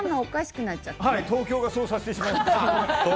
東京がそうさせてしまいました。